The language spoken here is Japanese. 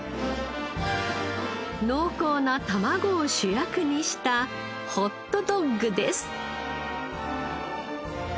濃厚な卵を主役にしたホットドッグです。